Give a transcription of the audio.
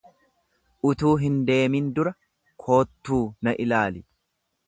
Utuu hin deemin dura koottuu na ilaali.